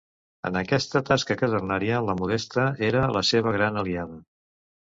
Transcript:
En aquesta tasca casernària la Modesta era la seva gran aliada.